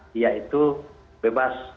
dia itu bebas